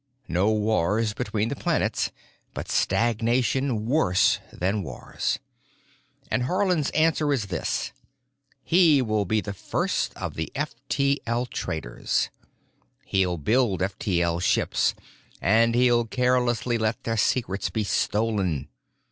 No wars between the planets—but stagnation worse than wars. And Haarland's answer is this: He will be the first of the F T L traders. He'll build F T L ships, and he'll carelessly let their secrets be stolen.